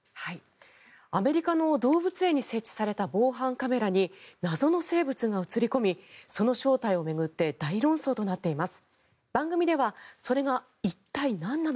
アメリカの動物園に設置された防犯カメラに謎の生物が映り込みその正体を巡って大論争となっています。